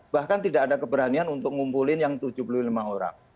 bahkan tidak ada keberanian untuk ngumpulin yang tujuh puluh lima orang